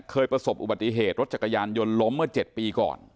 ประสบอุบัติเหตุรถจักรยานยนต์ล้มเมื่อ๗ปีก่อน